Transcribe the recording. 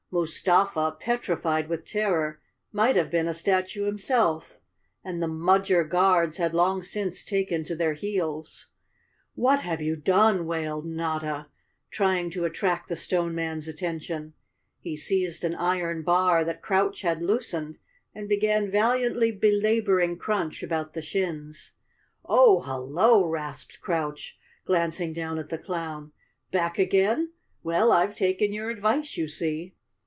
Mus¬ tafa, petrified with terror, might have been a statue himself, and the Mudger Guards had long since taken to their heels. "What have you done?" wailed Notta, trying to at¬ tract the Stone Man's attention. He seized an iron bar that Crouch had loosened and began valiantly belab¬ oring Crunch about the shins. "Oh, hello!" rasped Crouch, glancing down at the clown. "Back again? Well, I've taken your advice, you see."